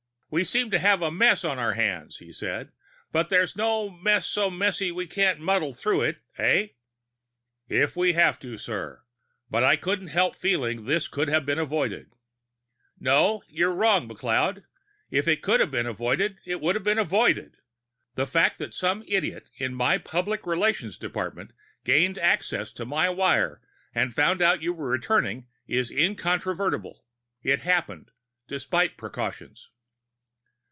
"We seem to have a mess on our hands," he said. "But there's no mess so messy we can't muddle through it, eh?" "If we have to, sir. But I can't help feeling this could all have been avoided." "No. You're wrong, McLeod. If it could have been avoided, it would have been avoided. The fact that some idiot in my public relations department gained access to my wire and found out you were returning is incontrovertible; it happened, despite precautions."